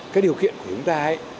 cái điều kiện của chúng ta ấy